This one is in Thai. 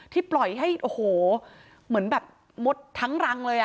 ที่ปล่อยให้เหมือนหมดทั้งรังเลย